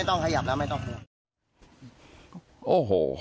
โอ้โห